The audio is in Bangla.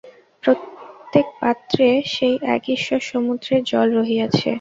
প্রত্যেক পাত্রে সেই এক ঈশ্বর-সমুদ্রের জল রহিয়াছে।